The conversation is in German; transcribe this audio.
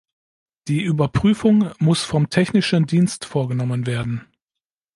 Die Überprüfung muss vom technischen Dienst vorgenommen werden.